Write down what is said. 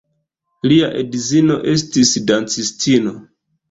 Lia edzino estis dancistino.